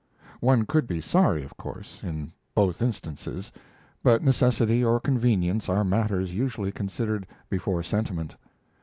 One could be sorry, of course, in both instances, but necessity or convenience are matters usually considered before sentiment.